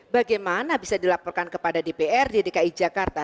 bagaimana bisa dilaporkan kepada dprd dki jakarta